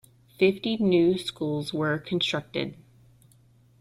Fifty new schools were constructed.